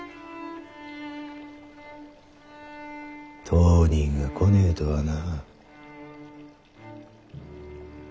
当人が来ねえとはな。